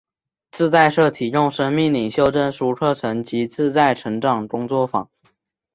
自在社提供生命领袖证书课程及自在成长工作坊。